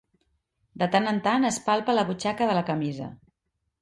De tant en tant es palpa la butxaca de la camisa.